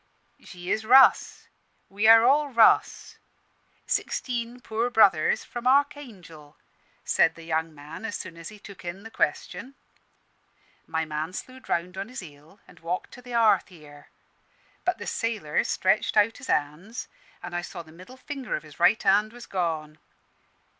'She is Russ we are all Russ; sixteen poor brothers from Archangel,' said the young man, as soon as he took in the question. My man slewed round on his heel, and walked to the hearth here; but the sailor stretched out his hands, an' I saw the middle finger of his right hand was gone.